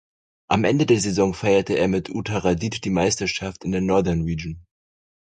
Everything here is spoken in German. Am Ende der Saison feierte er mit Uttaradit die Meisterschaft in der Northern Region.